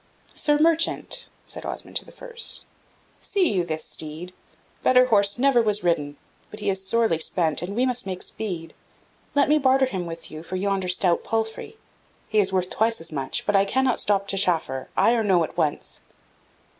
"Sir merchant," said Osmond to the first, "see you this steed? Better horse never was ridden; but he is sorely spent, and we must make speed. Let me barter him with you for yonder stout palfrey. He is worth twice as much, but I cannot stop to chaffer ay or no at once."